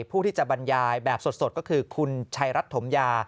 ผู้ที่จะบรรยายแบบสดก็คือคุณชัยรัฐถมยา